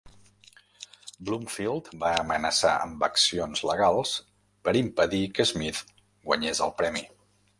Bloomfield va amenaçar amb accions legals per impedir que Smith guanyés el premi.